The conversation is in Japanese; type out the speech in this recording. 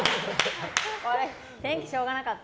天気しょうがなかった。